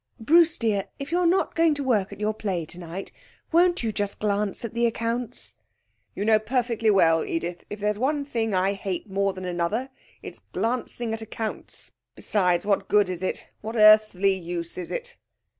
'Bruce dear, if you're not going to work at your play tonight, won't you just glance at the accounts?' 'You know perfectly well, Edith, if there's one thing I hate more than another it's glancing at accounts. Besides, what good is it? What earthly use is it?'